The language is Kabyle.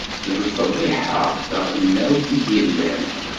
D lefḍiḥa taɣelnawt i d-yellan.